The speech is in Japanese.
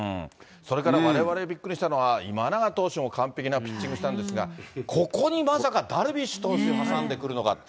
それからわれわれびっくりしたのは、今永投手も完璧なピッチングしたんですが、ここにまさかダルビッシュ投手挟んでくるのか。